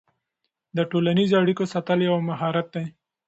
د ټولنیزو اړیکو ساتل یو مهارت دی.